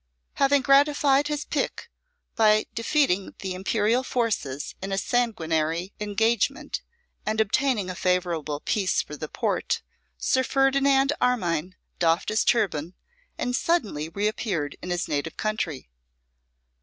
Having gratified his pique by defeating the Imperial forces in a sanguinary engagement, and obtaining a favourable peace for the Porte, Sir Ferdinand Armine doffed his turban, and suddenly reappeared in his native country.